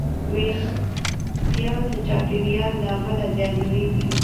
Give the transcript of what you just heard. وېښتيان د چاپېریال له امله زیانمنېږي.